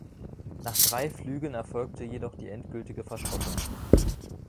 Nach drei Flügen erfolgte jedoch die endgültige Verschrottung.